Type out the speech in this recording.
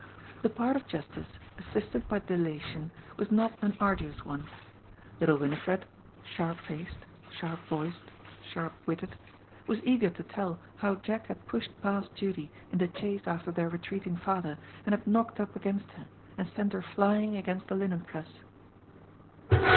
The part of Justice, assisted by delation, was not an arduous one. Little Winifred — sharp faced, sharp voiced, sharp witted — was eager to tell how Jack had pushed past Judy in the chase after their retreating father, and had knocked up against her and sent her flying against the 23 854 GOD'S POOL. linen press.